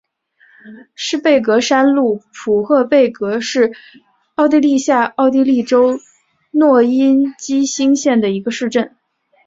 施内贝格山麓普赫贝格是奥地利下奥地利州诺因基兴县的一个市镇。